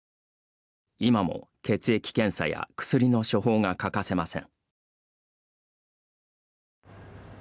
今も血液検査や薬の処方が欠かせません。